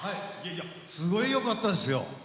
すごいよかったですよ。